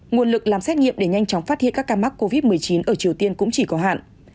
nguồn lực làm xét nghiệm để nhanh chóng phát hiện các ca mắc covid một mươi chín ở triều tiên cũng chỉ có hạn